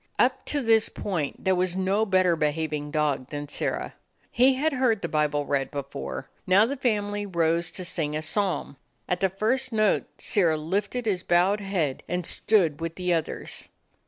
Up to this point there was no better behaving dog than Sirrah. He had heard the Bible read before. Now the family rose to sing a psalm. At the first note Sirrah lifted his bowed head, and stood with the others.